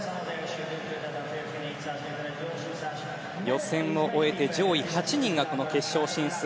予選を終えて上位８人がこの決勝進出。